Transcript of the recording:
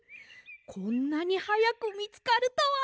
こんなにはやくみつかるとは！